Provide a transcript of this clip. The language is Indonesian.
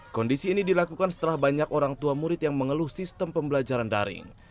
kondisi ini dilakukan setelah banyak orang tua murid yang mengeluh sistem pembelajaran daring